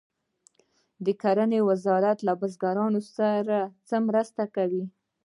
د کرنې وزارت له بزګرانو سره څه مرسته کوي؟